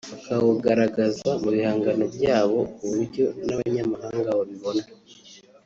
bakawugaragaza mu bihangano byabo kuburyo n’abanyamahanga babibona